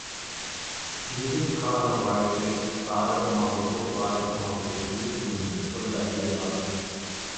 எதிர்கால வாழ்க்கை சாதகமாகவோ பாதகமாகவோ இருக்குமென்று சொல்ல இயலாது.